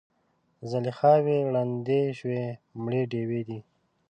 زلیخاوې ړندې شوي مړې ډیوې دي